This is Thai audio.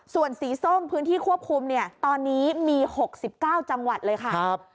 ส่วนสีส้มพื้นที่ควบคุมเนี่ยตอนนี้มี๖๙จังหวัดเลยค่ะ